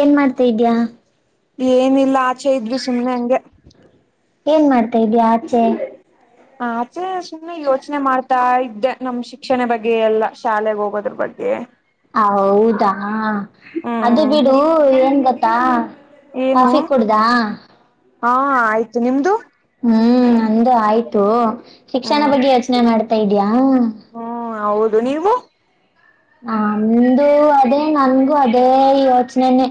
ಏನ್ ಮಾಡ್ತಾ ಇದ್ಯಾ. ಏನಿಲ್ಲ ಆಚೆ ಇದ್ವಿ ಸುಮ್ನೆ ಹಂಗೆ. ಏನ್ ಮಾಡ್ತಾ ಇದ್ಯ ಆಚೆ. ಆಚೆ ಸುಮ್ನೆ ಯೋಚ್ನೆ ಮಾಡ್ತಾ ಇ ದ್ದೆ ನಮ್ ಶಿಕ್ಷಣ ಬಗ್ಗೆ ಎಲ್ಲ ಶಾಲೆಗ್ ಹೋಗೋದ್ರು ಬಗ್ಗೆ. ಹೌದಾ ಅದು ಹ್ಮ್ ಬಿಡು ಏನ್ ಗೊತ್ತಾ. ಏನು ಕಾಫಿ ಕೂಡ್ದ ಹಾ ಆಯ್ತು ನಿಮ್ದು. ಹ್ಮ್ ನಂದು ಆಯ್ತು ಶಿಕ್ಷಣ ಹ್ಮ್ ಬಗ್ಗೆ ಯೋಚನೆ ಮಾಡ್ತಾ ಇದ್ಯಾಾ. ಹ್ಮ್ ಹೌದು ನೀವು. ನಮ್ದು ಅದೇ ನನ್ಗು ಅದೇ ಯೋಚ್ನೆನೆನೆ.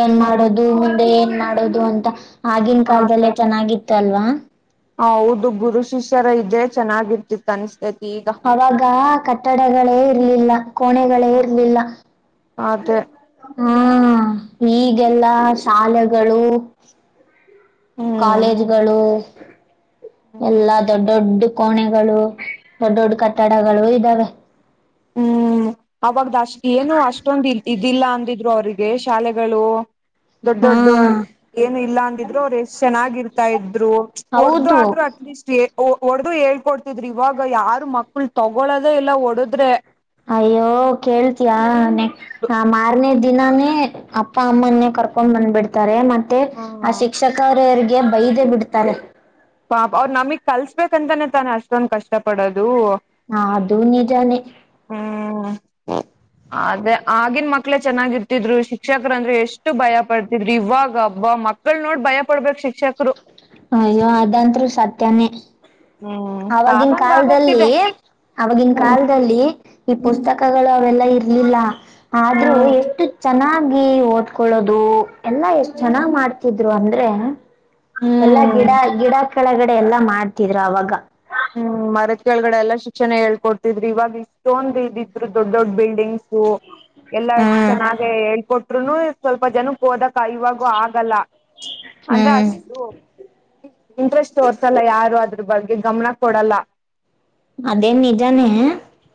ಏನ್ ಹ್ಮ್ ಮಾಡೋದು ಮುಂದೆ ಏನ್ ಮಾಡೋದು ಅಂತ ಆಗಿನ್ ಅದೇ ಕಾಲದಲ್ಲೇ ಚೆನ್ನಾಗಿತ್ ತ್ ಅಲ್ವಾ. ಹೌದು ಗುರು ಶಿಷ್ಯರು ಇದ್ರೆ ಚೆನ್ನಾಗಿರ್ತಿತ್ತು ಅನ್ ಅವಾಗ ಕಟ್ಟಡಗಳೇ ಇರ್ಲಿಲ್ಲ. ಕೋಣೆಗಳೇ ಇರ್ಲಿಲ್ಲ ಅದೇ ಹ್ಮ ಹ್ಮ್ ಈಗೆಲ್ಲಾ ಶಾಲೆಗಳು. ಹ್ಮ್ ಕಾಲೇಜ್ಗಳು. ಹ್ಮ್ ಎಲ್ಲಾ ದೊಡ್ ದೊಡ್ಡು ಕೋಣೆಗಳು ದೊಡ್ ದೊಡ್ ಕಟ್ಟಡಗಳು ಇದ್ದಾವೆ. ಹ್ಮ್ ಅವಾಗ್ದ ಅಷ್ಟ್ ಏನು ಅಷ್ಟೊಂದು ಇದಿಲ್ಲ ಅಂದಿದ್ರು ಅವ್ರಿಗೆ ಶಾಲೆಗಳು. ದೊಡ್ ದೊಡ್ಡ ಏನು ಇಲ್ಲ ಅಂದಿದ್ರು ಅವರ್ ಎಷ್ಟ್ ಚೆನ್ನಾಗಿರ್ತಾ ಇದ್ರು ಹೊಡ್ದ ಹೌದು ಆದ್ರು [inaudible] ಒಡ್ದು ಹೇಳ್ಕೊಡ್ತಿದ್ರಿ ಇವಾಗ ಯಾರು ಮಕ್ಳ ತಗೊಳದೆ ಇಲ್ಲ ಒಡುದ್ರೆ. ಅಯ್ಯೋ ಕೇಳ್ತ್ಯ ನೆ ಅ ಮಾರ್ನೆೇ ದಿನಾನೇ ಅಪ್ಪ ಅಮ್ಮನ್ನೇ ಕರ್ಕೊಂಡ್ ಬಂದ್ಬಿಡ್ತಾರೆ ಮತ್ತೆ ಆ ಶಿಕ್ಷಕರು ಎರ ಬೈರೆ ಬಿಡ್ತಾರೆ. ಹಾ ಅವ್ರು ನಮಿಗ್ ಕಲ್ಸ್ಬೇಕಂತಾನೇ ತಾನೆ ಅಷ್ಟೊಂದ್ ಕಷ್ಟ ಪಡೋದು. ಅದು ನಿಜಾನೆ. [inaudible] ಅದೆ ಆಗನ್ ಮಕ್ಳೇ ಚೆನ್ನಾಗಿ ಇರ್ತಿದ್ರು ಶಿಕ್ಷಕರ ಅಂದ್ರೆ ಎಷ್ಟು ಭಯ ಪಡ್ತಿದ್ರು ಇವಾಗ ಹಬ್ಬ ಮಕ್ಕಳ ನೋಡ್ ಭಯ ಪಡ್ಬೇಕಕ್ ಶಿಕ್ಷಕರು ಅಯ್ಯೋ ಅದಂತರು ಸತ್ಯನೇ ಹ್ಮ್ ಆವಾಗಿನ ಕಾಲಂಗ ಕಾಲದಲ್ಲಿ ಆಗೋಗ್ತಿದೆ ಆವಾಗಿನ ಹ್ಮ್ ಕಾಲದಲ್ಲಿ ಈ ಹ್ಮ್ ಪುಸ್ತಕಗಳ ಅವೆಲ್ಲ ಇರ್ಲಿಲ್ಲ ಆದ್ರೂ ಎಷ್ಟು ಚೆನ್ನಾಗಿ ಓದ್ಕೊಳ್ಳೋದು ಎಲ್ಲಾ ಎಷ್ಟ್ ಚೆನ್ನಾಗ್ ಹ್ಮ್ ಮಾಡ್ತಿದ್ರು ಅಂದ್ರೆ ಎಲ್ಲಾ ಹ್ಮ್ ಗಿಡ ಗಿಡ ಕೆಳಗಡೆ ಎಲ್ಲಾ ಮಾಡ್ತಿದ್ರು ಅವಾಗ ಮರತ್ ಕೆಳಗಡೆ ಎಲ್ಲಾ ಶಿಕ್ಷಣ ಹೇಳ್ಕೊಡ್ತಿದ್ರಿ ಇವಾಗ ಇಷ್ಟ್ಟೋನ್ ಇದ ಇದ್ರು ದೊಡ್ ದೊಡ್ ಬಿಲ್ಡಿಂಗ್ಸ ಎಲ್ಲಾ ಹ್ಮ್ ಚೆನ್ನಾಗ ಹೇಳ್ಕೊಟ್ರುನು ಸ್ವಲ್ಪ ಜನಕ್ಕೆ ಓದಕ್ ಇವಾಗೂ ಆಗಲ್ಲ ಅಂದ್ರೆ ಹ್ಮ್ ಅಷ್ಟು ಇಂಟ್ರೆಸ್ಟ್ ತೋರ್ಸಲ್ಲ ಯಾರು ಅದ್ರ ಬಗ್ಗೆ ಗಮನ ಕೊಡಲ್ಲ ಅದೇನ್ ನಿಜಾನೇ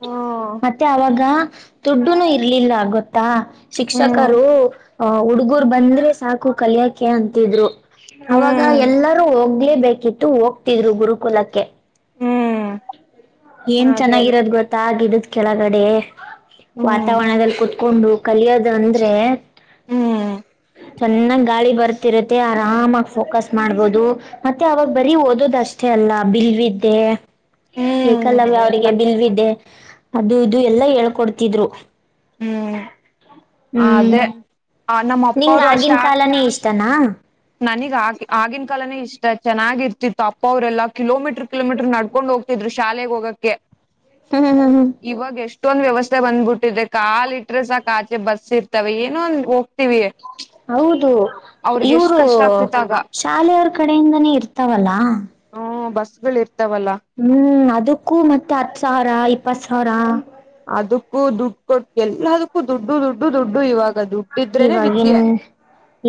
ಹ್ಮ್ ಮತ್ತೆ ಅವಾಗ ದುಡ್ಡುನು ಇರ್ಲಿಲ್ಲ ಗೊತ್ತಾ ಹ್ಮ್ ಶಿಕ್ಷಕರು ಆ ಹುಡ್ಗೂರ್ ಬಂದ್ರೆ ಸಾಕು ಕಲಿಯಕೆ ಅಂತಿದ್ರು ಅವಾಗ ಹ್ಮ್ ಎಲ್ಲರೂ ಹೋಗ ಹೊಗಲೇ ಬೇಕಿತ್ತು ಹೋಗ್ತಿದ್ರು ಗುರುಕುಲಕ್ಕೆ ಹ್ಮ್ ಏನ್ ಅದೇ ಅದೇ ಚೆನ್ನಾಗಿರೋದ್ ಗೊತ್ತ ಗಿಡದ ಕೆಳಗಡೆ ಹ್ಮ್ ವಾತಾವರಣದಲ್ಲಿ ಕುತ್ಕೊಂಡು ಕಲಿಯೋದ ಅಂದ್ರೆ ಹ್ಮ್ ಚೆನ್ನಾಗ್ ಗಾಳಿ ಬರ್ತಿರುತ್ತೆ ಆರಾಮಾಗಿ ಫೋಕಸ್ ಮಾಡ್ಬೋದು ಮತ್ತೆ ಅವಾಗ ಬರೀ ಓದೋದ್ ಅಷ್ಟೇ ಅಲ್ಲ ಬಿಲ್ವಿದ್ದೆ ಹ್ಮ್ ಏಕಲವ್ಯ ಎಲ್ಲ ಅವರಿಗೆ ಬಿಲ್ವದೆ ಅದು ಇದು ಎಲ್ಲ ಹೇಳ್ಕೊಡ್ತಿದ್ರು ಹ್ಮ್ ಹ್ಮ್ ಅದೇ ಆ ನಮ್ಮ ಅಪ್ಪ ನಿಂಗ ಅವರು ಆಗಿನ ಅಷ್ಟ ಕಾಲನೇ ಇಷ್ಟನಾ ನನಗ್ ಆ ಆಗಿನ ಕಾಲನೇ ಇಷ್ಟ ಚೆನ್ನಾಗಿರ್ತಿತ್ತು ಅಪ್ಪ ಅವ್ರರೆಲ್ಲ ಕಿಲೋಮೀಟ್ರರ್ ಕಿಲೋಮೀಟರ್ ನಡ್ಕೊಂಡ್ ಹೋಗ್ ಇದ್ರು ಶಾಲೆಗೆ ಹೋಗೋಕ್ಕೆ ಹಾ ಹಾ ಹಾ ಇತ್ತೊಂದ್ ವ್ಯವಸ್ಥೆ ಬಂದ್ಬಿಟ್ಟಿದೆ ಕಾಾಲಿ ಇಟ್ರೆ ಸಾಕ್ ಆಚೆ ಬಸ್ ಇರ್ತಾವ ಏನೋ ಒಂದ ಹೋಗ್ತಿವಿ ಹೌದು ಅವ್ರಿಗೆ ಎಷ್ಟ್ ಇವರು ಕಷ್ಟ ಆಗ್ತಿತ್ತಾಗ ಶಾಲೆಯವ್ರ ಕಡೆಯಿಂದನೇ ಇರ್ತಾವಲ್ಲಾ ಹ್ಮ ಬಸ್ಗಳು ಇರ್ತಾವಲ್ಲ ಹ್ಮ್ ಅದಕ್ಕೂ ಮತ್ತೆ ಹತ್ ಸಾವಿರ ಇಪ್ಪತ್ ಸಾವಿರ ಅದಕ್ಕೂ ದುಡ್ಡು ಕೊಟ್ಟು ಎಲ್ಲದಕ್ಕೂ ದುಡ್ಡು ದುಡ್ಡು ದುಡ್ಡು ಇವಾಗ ಅದು ಇವಾಗಿವಾಗಿನ್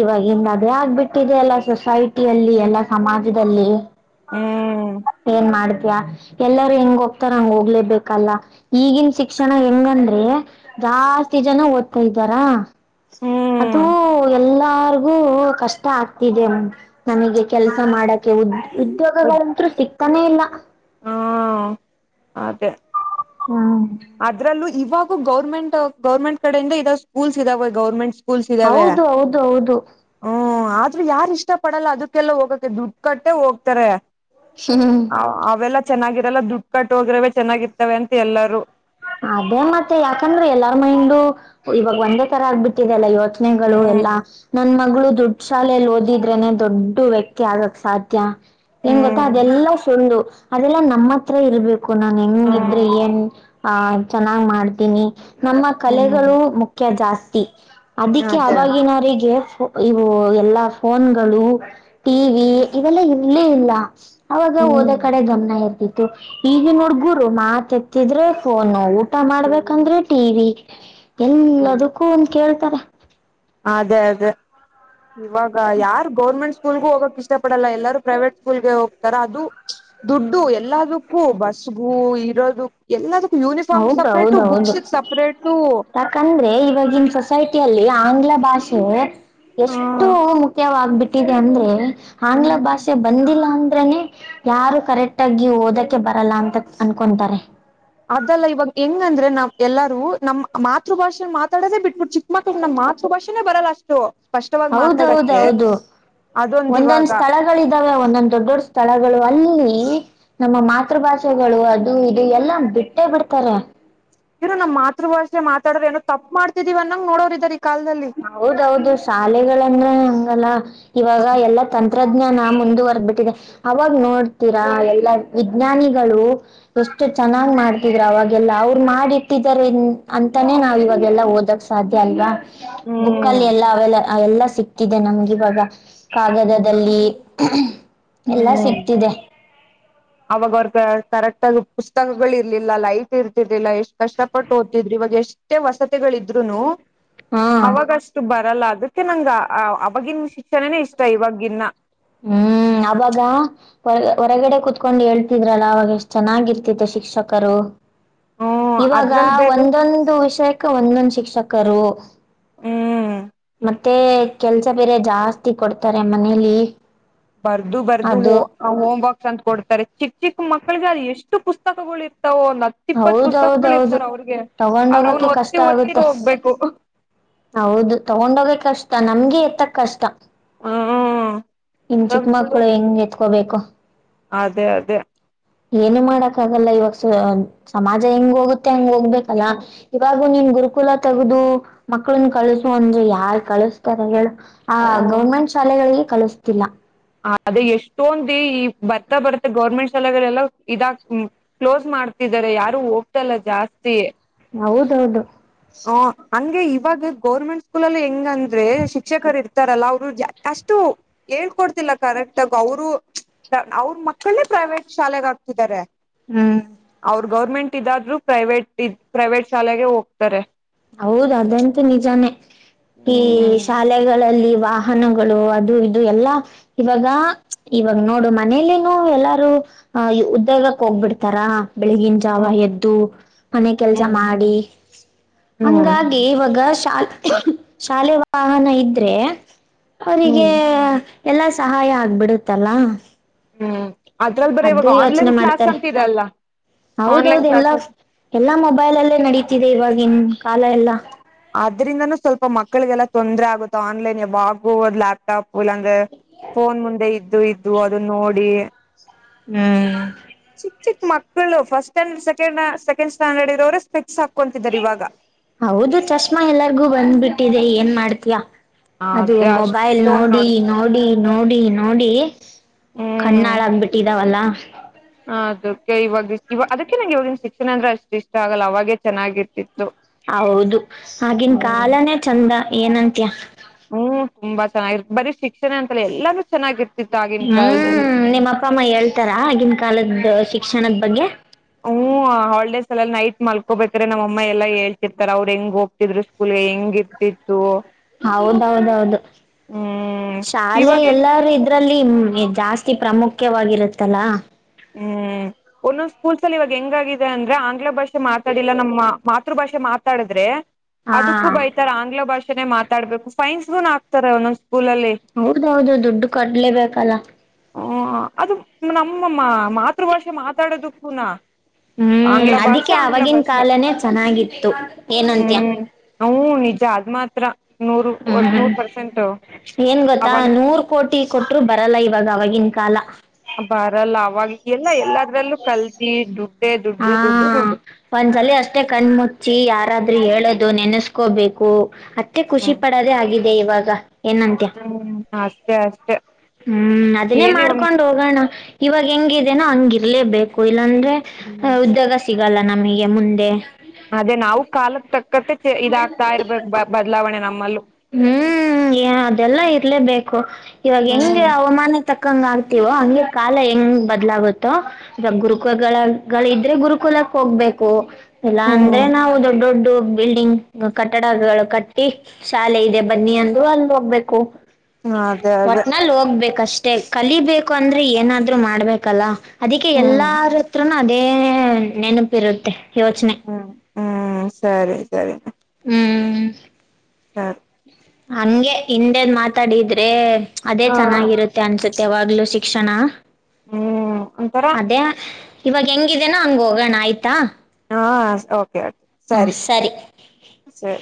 ಇವಾಗಿನ್ ಅದೇ ಆಗ್ಬಿಟ್ಟಿದೆ ಅಲ್ಲ ಸೊಸೈಟಿಯಲ್ಲಿ ಎಲ್ಲ ಸಮಾಜದಲ್ಲಿ ಹ್ಮ್ ಏನ್ ಮಾಡ ಎಲ್ಲಾರೂ ಹೆಂಗ ಹೋಗ್ತಾರ ಹಂಗ ಹೋಗ್ಲೇಬೇಕಲ್ಲ ಈಗಿನ ಶಿಕ್ಷಣ ಹೆಂಗಂದ್ರೆ ಜಾಸ್ತಿ ಜನ ಓದ್ತಾ ಇದ್ದಾರಾ ಹ್ಮ್ ಅದುೂ ಎಲ್ಲಾ ಗ ಕಷ್ಟ ಆಗ್ತಿದೆ ನಮಗೆ ಕೆಲ್ಸ ಮಾಡಕ ಉದ್ದ ಉದ್ ಉದ್ಯೋಗಗಳಂತೂ ಸಿಗ್ತಾನೇ ಇಲ್ಲ ಮತ್ತೆ ಹ್ಮ್ ಅದ್ರಲ್ಲೂ ಇವಾಗ ಗೌರ್ಮೆಂಟ್ ಗೌರ್ಮೆಂಟ್ ಕಡಿಂದ ಇದಾವ ಸ್ಕೂಲ್ಸ್ ಇದಾವೆ ಗೌರ್ಮೆಂಟ್ಸ್ ಸ್ಕೂಲ್ಸ್ ಇದಾವೆ ಹೌದು ಹೌದು ಹೌದು ಹ್ಮ ಆದ್ರೂ ಯಾರ್ ಇಷ್ಟ ಪಡಲ್ಲ ಅದಕ್ಕೆಲ್ಲ ಹೋಗಕೆ ದುಡ್ಡು ಕಟ್ಟೆ ಹೋಗ್ತಾರೆ ಹ್ಮ್ ಅವೆಲ್ಲಾ ಚೆನ್ನಾಗಿರಲ್ಲ ದುಡ್ಡು ಕಟ್ಟ ಹೋಗ್ರವೇ ಚೆನ್ನಾಗಿರ್ತವೆ ಅಂತ ಎಲ್ಲಾರೂ ಅದೇ ಮತ್ತೆ ಯಾಕಂದ್ರೆ ಎಲ್ಲಾರ ಮೈಂಡ ಇವಾಗ ಒಂದೇ ತರ ಆಗ್ಬಿಟ್ಟಿದೆಲ್ಲ ಇವತ್ತು ಯೋಚನೆಗಳು ಎಲ್ಲಾ ಹ್ಮ್ ನ ನನ್ ಮಗಳು ದೊಡ್ಡ ಶಾಲೆಯಲ್ಲಿ ಓದಿದ್ರೇನೆ ದೊಡ್ಡು ವ್ಯಕ್ತಿ ಆಗಕ್ ಸಾಧ್ಯ ಹೆಂಗ್ ಗೊತ್ತಾ ಹ್ಮ್ ಅದೆಲ್ಲ ಸುಳ್ಳು ಅದೆಲ್ಲಾ ನಮ್ಮ ಹತ್ರ ಇರ್ಬೇಕು ಕು ನಾನ್ ಹೆಂಗಿದ್ರೆ ಏನ್ ಅ ಚೆನ್ನಾಗ್ ಮಾಡ್ತೀನಿ ನಮ್ಮ ಹ್ಮ್ ಕಲೆಗಳು ಮುಖ್ಯ ಜಾಸ್ತಿ ಅದಕ್ಕೆ ಅದೇ ಅವಾಗಿನವರಿಗೆ ಇವು ಎಲ್ಲಾ ಫೋನ್ಗಳು ಟಿವ ವಿ ಇವೆಲ್ಲ ಇರ್ಲೇ ಇಲ್ಲ ಅವಾಗ ಓದೋ ಹ್ಮ್ ಕಡೆ ಗಮನ ಇರ್ತಿತ್ತು ಈಗ ನುಡ್ಗುರು ಮಾತ್ ಎತ್ತಿದ್ರೆ ಫೋನ್ ನೋವು ಊಟ ಮಾಡ್ಬೇಕಂದ್ರೆ ಟಿ ವಿ ಎಲ್ಲದಕ್ಕೂ ಒಂದು ಕೇಳ್ತಾರೆ ಅದೇ ಅದೇ ಇವಾಗ ಯಾರ್ ಗೌರ್ಮೆಂಟ್ ಸ್ಕೂಲ್ಗು ಹೋಗಕ್ ಇಷ್ಟಪಡಲ್ಲ ಎಲ್ಲರೂ ಪ್ರೈವೇಟ್ ಸ್ಕೂಲ್ಗೆ ಹೋಗ್ತಾರ ಅದು ದುಡ್ಡು ಎಲ್ಲದಕ್ಕೂ ಬಸ್ಗು ಇರೋದು ಎಲ್ಲದಕ್ಕೂ ಯೂನಿಫಾರ್ಮ್ ಹೌದ ಹೌದ ಸಪ್ರೇಟು ಹೌದು ಬುಕ್ಸಿಗೆ ಸಪ್ರೇಟು ಯಾಕಂದ್ರೆ ಇವಾಗಿನ್ ಸೊಸೈಟಿ ಲ್ಲಿ ಆಂಗ್ಲ ಭಾಷೆ ಎಷ್ಟು ಮುಖ್ಯವಾಗಬಿಟ್ಟಿದೆ ಅಂದ್ರೆ ಆಂಗ್ಲ ಹ್ಮ್ ಭಾಷೆ ಬಂದಿಲ್ಲ ಅಂತ ಆದ್ರ ಯಾರು ಕರೆಕ್ಟ್ ಆಗಿ ಓದಕ್ಕೆ ಬರಲ್ಲ ಅಂತ ಅನ್ಕೊಂತಾರೆ ಅದೆಲ್ಲ ಇವಾಗ ಹೆಂಗ ಅಂದ್ರೆ ನಾವ್ ಎಲ್ಲಾರೂ ನಮ್ಮ್ ಮಾತೃ ಭಾಷೆಲ್ ಮಾತಾಡದೆೇ ಬಿಟ್ಬಿಟ್ಟ ಚಿಕ್ಕ ಮಕ್ಳ ನಮ್ಮ ಮಾತೃಭಾಷೆನೇ ಬರಲ್ಲ ಅಷ್ಟು ಸ್ಪಷ್ಟವಾಗಿ ಮಾತಾಡಕ್ಕೆ ಹೌದೌದೌದು ಅದೊಂದ ಒಂದೊಂದ್ ಇವಾಗ ಸ್ಥಳಗಳಿದಾವೆ ಒಂದೊಂದ್ ದೊಡ್ಡ ದೊಡ್ ಸ್ಥಳಗಳು ಅಲ್ಲಿ ನಮ್ಮ ಮಾತೃಭಾಷೆಗಳು ಅದು ಇದು ಎಲ್ಲಾ ಬಿಟ್ಟೇ ಬಿಡ್ತಾರೆ ಇರೋ ನಮ್ಮ್ ಮಾತೃ ಭಾಷೆ ಮಾತಾಡ್ರ ಏನೋ ತಪ್ಪ ಮಾಡತಿದೀವ ಅನ್ನಂಗ ನೋಡೋರ್ ಇದಗ ಹೌದೌದು ಶಾಲೆಗಳಂದ್ರೆ ಹಂಗಲ್ಲ ಇವಾಗ ಎಲ್ಲಾ ತಂ ತಂತ್ರಜ್ಞಾನ ಮುಂದುವರ್ದ್ಬಿಟ್ಟಿದೆ ಅವಾಗ ನೋಡ್ತೀರಾ ಎಲ್ಲ ವಿಜ್ಞಾನಿಗಳು ಎಷ್ಟು ಚೆನ್ನಾಗ್ ಮಾಡ್ತಿದ್ರು ಅವಾಗ ಎಲ್ಲ ಅವ್ರು ಮಾಡಿಟ್ಟಿದ್ದಾರೆ ಅಂತಾನೇ ನಾವ್ ಇವಾಗೆಲ್ಲ ಓದಕ್ ಸಾಧ್ಯ ಅಲ್ವಾ ಹ್ಮ್ ಬುಕ್ಲ್ಲಿ ಎಲ್ಲ ಅವೆಲ್ಲ ಎಲ್ಲ ಸಿಕ್ತಿದೆ ನಮ್ಗೆ ಇವಾಗ ಹ್ಮ್ ಕಾಗದದಲ್ಲಿ ಎಲ್ಲ ಹ್ಮ್ ಸಿಗ್ತಿದೆ ಅವಾಗ ಅವ್ರ ಕರೆಕ್ಟ್ ಆಗ ಪುಸ್ತಕಗಳಗಳು ಇರ್ಲಿಲ್ಲ ಲೈಫ್ ಇರ್ತರ್ಲಿಲ್ಲ ಎಷ್ಟ್ ಕಷ್ಟಪಟ್ಟು ಓದ್ತಿದ್ರಿ ಇವಾಗ ಎಷ್ಟೇ ವಸತಿಗಳಿದ್ರುನು ಹಾ ಅವಾಗಷ್ಟು ಬರಲ್ಲ ಅ ಮೆ ನಂಗ ಅವವಾಗಿನ ಶಿಕ್ಷಣನೇ ಇಷ್ಟ ಇವಾಗಿವಾಗಿನ ಹ್ಮ್ ಹ್ಮ ಅವಾಗ ಹೊರ ಹೊರಗಡೆ ಕುೂತ್ಕೊಂಡ್ ಹೇಳ್ತಿದ್ರಲ್ಲ ಅವಾಗ ಎಷ್ಟ್ ಚೆನ್ನಾಗಿರ್ತಿತ್ತು ಶಿಕ್ಷಕರು ಹ್ಮ್ ಇವಾಗ ಅದ್ರಲ್ಲಿ ಬೇರೆ ಒಂದೊಂದು ವಿಷಯಕ್ಕೆ ಒಂದೊಂದು ಶಿಕ್ಷಕರು ಹ್ಮ್ ಮತ್ತೆ ಕೆಲ್ಸ ಬೇರೆ ಜಾಸ್ತಿ ಕೊಡ್ತಾರೆ ಮನೇಲಿ ಬರ್ದು ಬರ್ದು ಅದು ಹ ಹೋಮ್ ವರ್ಕ್ಸ್ ಅಂತ ಕೊಡ್ತಾರೆ ಚಿಕ್ಕ ಚಿಕ್ಕ ಮಕ್ಳಿಗೆ ಅದು ಎಷ್ಟು ಪುಸ್ತಕಗಳು ಇರ್ತ್ತ ಒಂದ್ ಹತ್ತ ಇಪ್ಪತ್ತು ಹೌದೌದೌದು ಪುಸ್ತಕಗಳಿರ್ತಾರೆ ಅವ್ರಿಗೆ ಅವ್ರ ತಗೊಂಡೋಗಕ್ಕೆ ಅವನು ಕಷ್ಟ ಒತ್ತಿ ಒತ್ತಿ ಆಗುತ್ತೆ ಹೋಗ್ಬೇಕು ಹೌದು ತಗೊಂಡೋಗೆ ಕಷ್ಟ ನಮ್ಗೆ ಎತ್ತಕ್ ಕಷ್ಟ ಹ್ಮ್ ಇನ್ ಚಿಕ್ಕ ಮಕ್ಳು ಹೆಂಗ್ಗೆ ಎತ್ಕೋಬೇಕು ಅದೇ ಅದೇ ಏನು ಮಾಡಕ್ ಆಗಲ್ಲ ಇವಾಗ ಸಮಾಜ ಹೆಂಗ್ ಹೋಗುತ್ತೆ ಹಂಗ್ ಹೋಗ್ಬೇಕಲ್ಲ ಇವಾಗ ಹಾಗು ನೀನ್ ಗುರುಕುಲ ತಗದು ಮಕ್ಳನ್ನ ಕಳಸ ಅಂದ್ರೆ ಯಾರ್ ಕಳಿಸತಾರ ಹೇಳ ಆ ಓ ಗೌರ್ಮೆಂಟ್ ಶಾಲೆಗಳಿಗೆ ಕಲಿಸ್ತಿಲ್ಲ ಅದೇ ಎಷ್ಟೊಂದು ಈ ಬರ್ತಾ ಬರ್ತ್ತ ಗೌರ್ಮೆಂಟ್ ಶಾಲೆಗಳೆಲ್ಲ ಇದಾಗ ಕ್ಲೋಸ್ ಮಾಡ್ತಿ ಯಾರು ಹೋಗ್ತಲ್ಲ ಜಾಸ್ತಿ ಹೌದೌದು ಹಓ ಅ ಇವಾಗ ಗೌರ್ಮೆಂಟ್ ಸ್ಕೂಲ್ ಅಲ್ಲಿ ಹೆಂಗ ಅಂದ್ರೆ ಶಿಕ್ಷಕರು ಇರ್ತಾರಲ್ಲ ಅವ್ರು ಅಷ್ಟು ಹ ಕೊಡ್ತಿಲ್ಲ ಕರೆಕ್ಟ್ ಆಗ ಅವರು ಅವ್ರ ಮಕ್ಕಳೇ ಪ್ರೈವೇಟ್ ಶಾಲೆೆಗೆ ಆಗ್ತಿದ್ದಾರೆ ಹ್ಮ ಗೌರ್ಮೆಂಟ್ ಇದಾದ್ರರು ಪ್ರೈವೇಟ್ ಇದ ಪ್ರೈವೇಟ್ ಶಾಲೆಗೆ ಹೋಗ್ತಾರೆ ಹೌದ ಅದಂತೂ ನಿಜಾನೇ ಈ ಹ್ಮ್ ಶಾಲೆಗಳಲ್ಲಿ ವಾಹನಗಳು ಅದು ಇದು ಎಲ್ಲಾ ಇವಾಗ ಇವಾಗ ನೋಡು ಮನೇಲನು ಎಲ್ಲಾರು ಆ ಉದ್ಯೋಗಕ್ಕೆ ಹೋಗ್ಬಿಡ್ತಾರ ಬೆಳಗಿನ ಜಾವ ಹ್ಮ್ ಎದ್ದು ಮನೆ ಕೆಲ್ಸ ಹ್ಮ್ ಮಾಡಿ ಹ್ಮ್ ಹಂಗಾಗಿ ಇವ ಗಾ ಶಾಲೆ ವಾಹನ ಇದ್ರೆ ಅವಿಗೆ ಹ್ಮ್ ಎಲ್ಲಾ ಸಹಾಯ ಆಗ್ಬಿಡತ್ತಲ್ಲಾ ಹ್ಮ್ ಅದ್ರಲ್ ಬರ ಇವಾಗ ಆನ್ಲೈನ್ ಕ್ಲಾಸ್ ಮಾಡ್ತಾರೆ ಅಂತ ಇದೆಲ್ಲ ಹೌದೌದು ಎಲ್ಲಾ ಎಲ್ಲಾ ಮೊಬೈಲ್ ಅಲ್ಲೇ ನಡತಿದೆ ಇವವಾಗಿನ್ ಕಾಲ ಎಲ್ಲಾ ಅದರಿಂದನೂ ಸ್ವಲ್ಪ ಮಕ್ಕಳಿಗೆಲ್ಲ ತೊಂದರೆ ಆಗುತ್ತೆ ಆನ್ಲೈನ್ ಯಾವಾಗು ಲ್ಯಾಪ ್ಟಾಪ್ ಉಲ್ಲಾಂದ್ರೆ ಫೋನ್ ಮುಂದೆ ಇದ್ದು ಇದ್ದು ಅದನ್ನ ನೋಡಿ ಹ್ಮ್ ಚಿಕ್ ಚಿಕ್ ಮಕ್ಕಳು first standard second second standard ಇರೋರೆ ಸ್ಕ್ಸ್ ಹ ಹೌದು ಚಷ್ಮಾ ಎಲ್ಲರಿಗೂ ಬಂದ್ಬಿಟ್ಟಿದೆ ಏನ್ ಮಾಡ್ತೀಯಾ ಅದು ಅದೇ ಅಷ್ಟು ಮೊಬೈಲ್ ಫೋನ್ ನೋಡಿ ನೋಡ್ತಾರೆ. ನೋಡಿ ನೋಡಿ ನೋಡಿ ನೋಡಿ ಕಣ್ಣಾಳಾಗಬಿಟ್ಟಿದಾವಲ್ಲ ಅದಕ್ಕೆ ಇವಾಗ ಅದಕ್ಕೆ ನಂಗೆ ಇಾವಿನ ಶಿಕ್ಷಣ ಅಂದ್ರೆ ಅಷ್ಟ ಇಷ್ಟ ಆಗಲ್ಲ ಅವಾಗೆ ಚೆನ್ನಾಗಿ ಇರ್ತಿತ್ತು ಹೌದು ಆಗಿನ ಕಾಲನೇ ಚಂದ ಏನಂತ್ಯಾ ಹ್ಮ್ ತುಂಬಾ ಚೆನ್ನಾಗಿರ್ ಬರೀ ಶಿಕ್ಷಣ ಅಂತಲ್ಲ ಎಲ್ಲಾರು ಚೆನ್ನಾಗಿರ್ ಹ್ಮ್ ನಿಮ್ಮ ಅಪ್ಪ ಅಮ್ಮ ಹೇಳ್ತಾರ ಆಗಿನ ಕಾಲದ ಶಿಕ್ಷಣದ ಬಗ್ಗೆ ಹಾಲಿಡೇಸ್ ಎಲ್ಲ ನೈಟ್ ಮಲ್ಕೋಬೇಕಾರೆ ನಮ್ಮ ಅಮ್ಮ ಎಲ್ಲ ಹೇಳ್ತಿರ್ತಾರೆ ಅವ್ರು ಹೆಂಗ್ ಹೋಗ್ತಿದ್ರು ಸ್ಕೂಲ್ಗೆ ಹೆಂಗ್ ಗಿ್ದಿತ್ತು ಹೌದೌದೌದು ಹ್ಮ್ ಶಾಲೆ ಇವಾಗ ಎಲ್ಲಾರ ಇದ್ರ ಇದರಲ್ಲಿ ಜಾಸ್ತಿ ಪ್ರಾಮುಖ್ಯವಾಗಿರುತ್ತಲ್ಲಾ ಹ್ಮ್ ಒಂದೊಂದ್ ಸ್ಕೂಲ್ಸ್ ಅಲ್ಲಿ ಇವಾಗ ಹೆಂಗಾಗಿದೆ ಅಂದ್ರೆ ಆಂಗ್ಲ ಭಾಷೆ ಮಾತಾಡಿಲ್ಲ ನಮ್ಮ್ ಮಾೃ ಭಾಷೆ ಮಾತಾಡಿದ್ರೆ ಹಾ ಅದಕ್ಕೂ ಬೈತಾರೆ ಆಂಗ್ಲ ಭಾಷೆ ನೆ ಮಾತಾಡ್ಬೇಕು ೈನ್ಸ್ ಬನ್ ಹ ಆಕ್ತಾರೆ ಒಂದೊಂದ ಹೌದೌದು ದುಡ್ಡು ಕಡ್ಲೇಬೇಕಲ್ಲ ಹ ಅದು ನಮ್ಮ ಮಾತೃಭಾಷೆ ಮಾತಾಡೋದುನ ಹ್ಮ್ ಅದಕ್ಕೆ ಆವಾಗಿನ್ ಕಾಲನೇ ಚೆನ್ನಾಗಿತ್ತು ಏನಂತಯ ಹ್ಮ್ ಹೂ ನಿಜ ಆದ್ ಮಾತ್ರ ನೂರು ಹ್ಮ್ ನೂರ್ ಪರ್ಸೆಂಟ್ ಏನ್ ಗೊತ್ತಾ ಅವಾಗ ನೂರ್ ಕೋಟಿ ಕೊಟ್ಟರು ಬರಲ್ಲ ಇವಾಗ ಅವವಾಗಿಂತ ಕಾಲ ಬಾರಲ್ಲ ಅವಾಗ ಎಲ್ಲ ಎಲ್ಲದ್ರಲ್ಲೂ ಕಲ್ತಿ ದುಡ್ ಹಾ ಒಂದ್ಸಲ ಅಷ್ಟೇ ಕಣ್ಮುಚ್ಚಿ ಯಾರಾದ್ರೂ ಹೇಳದ್ ದು ನೆನೆಸ್ಕೋಬೇಕು ಅತ್ತೆ ಖುಷಿ ಪಡದೇ ಆಗಿದೆ ಇವಾಗ ಏನಂತ್ಯ ಹ್ಮ ಅಷ್ಟೇ ಅಷ್ಟೇ ಹ್ಮ್ ಅದನ್ನೇ ಏನ್ ಇವಾಗ ಮಾಡ್ಕೊಂಡ್ ಹೋಗೋಣ ಇವಾಗ ಹೆಂಗಿದೇನೋ ಹಂಗ ಇರ್ಲೇಬೇಕು ಇಲ್ಲಾಂದ್ರೆ ಹ್ಮ್ ಉದ್ಯೋಗ ಸಿಗಲ್ಲ ನಮಗೆ ಮುಂದೆ ಅದೇ ನಾವು ಕಾಲಕ್ ತಕ್ಕತ್ತೆ ಇದಾಗ್ತಾ ಇರ್ಬೇಕು ಬದಲಾವ ಹ್ಮ್ ಅದೆಲ್ಲ ಇರ್ಲೇಬೇಕು ಇವಾಗ ಹೆಂಗೆ ಹ್ಮ್ ಅವಮಾನ ತಕ್ಕಂಗ ಆಗ್ತಿವೋ ಹಂಗೆ ಕಾಲ ಹೆಂಗ್ ಬದ್ಲಾಗುತ್ತೋ ಇವಾಗ ಗುರುಕುಗಳ ಗಳಿದ್ರೆ ಗುರುಕುಲಕ್ಕೆ ಹೋಗ್ಬೇಕು ಎಲ್ಲಾ ಅಂದ್ರೆ ಹ್ಮ್ ನಾವು ದೊಡ್ಡ ದೊಡ್ಡ ಬಿಲ್ಡಿಂಗ್ ಕಟ್ಟಡಗಳು ಕಟ್ಟಿ ಶಾಲೆ ಇದೆ ಬನ್ನಿ ಅಂದ ಅಲ್ಲಿ ಹೋಗ್ಬೇಕು ಅದೇ ಅದೇ ಒಟ್ನಾಲ್ಲಿ ಹೋಗ್ಬೇಕಷ್ಟೆ ಕಲಿಬೇಕು ಅಂದ್ರೆ ಏನಾದ್ರು ಮಾಡ್ಬೇಕಲ್ಲ ಅದಕ್ಕೆ ಹ್ಮ್ ಎಲ್ಲಾರತ್ರ ಅದೇ ನೆನಪಿರುತ್ತೆ ಯೋಚನೆ ಹ್ಮ್ ಹ್ಮ್ ಸರಿ ಸರಿ ಹ್ಮ್ ಸ ಹಂಗೆ ಹಿಂದೆದ್ ಮಾತಾಡಿದ್ರೆ ಅದೇ ಹ ಚೆನ್ನಾಗಿರುತ್ತೆ ಅನ್ಸುತ್ತೆ ಯಾವಾಗ್ಲೂ ಸಿ ಕಣ ಹ್ಮ್ ಒಂಥರ ಅದೇ ಇವಾಗ ಹೆಂಗಿದೇನೋ ಹಂಗ ಹೋಗೋಣ ಆಯ್ತಾ ಹಾ ಓಕೆ ಓಕೆ ಹ ಸರಿ ಸರಿ.